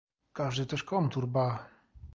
"Każdy też komtur, ba!"